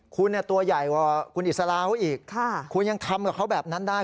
คุณตัวใหญ่กว่าคุณอิสลาเขาอีกคุณยังทำกับเขาแบบนั้นได้